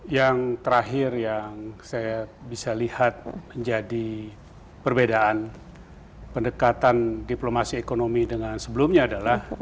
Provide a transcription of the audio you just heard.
yang terakhir yang saya bisa lihat menjadi perbedaan pendekatan diplomasi ekonomi dengan sebelumnya adalah